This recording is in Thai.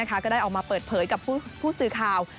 ก็ได้ออกมาเปิดเผยกับผู้สื่อข่าว